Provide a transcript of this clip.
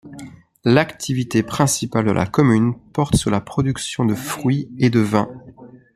L'activité principale de la commune porte sur la production de fruits et de vins.